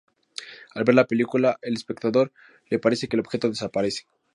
Al ver la película, al espectador le parece que el objeto desaparece.